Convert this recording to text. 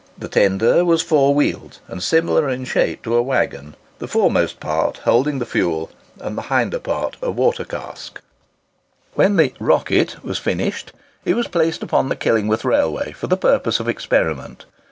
The tender was four wheeled, and similar in shape to a waggon,—the foremost part holding the fuel, and the hind part a water cask. When the "Rocket" was finished, it was placed upon the Killingworth railway for the purpose of experiment.